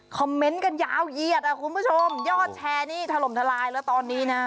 เมนต์กันยาวเหยียดอ่ะคุณผู้ชมยอดแชร์นี่ถล่มทลายแล้วตอนนี้นะ